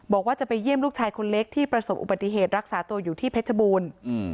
บอกว่าจะไปเยี่ยมลูกชายคนเล็กที่ประสบอุบัติเหตุรักษาตัวอยู่ที่เพชรบูรณ์